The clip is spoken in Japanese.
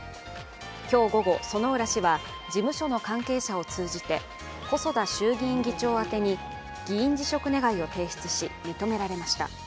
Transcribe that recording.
今日午後、薗浦氏は事務所の関係者を通じて細田衆議院議長宛てに議員辞職願を提出し、認められました。